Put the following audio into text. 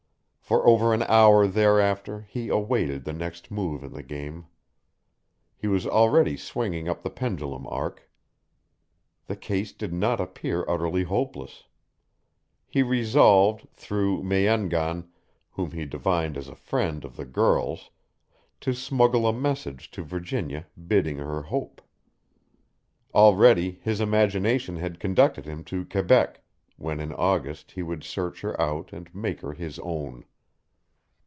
For over an hour thereafter he awaited the next move in the game. He was already swinging up the pendulum arc. The case did not appear utterly hopeless. He resolved, through Me en gan, whom he divined as a friend of the girl's, to smuggle a message to Virginia bidding her hope. Already his imagination had conducted him to Quebec, when in August he would search her out and make her his own.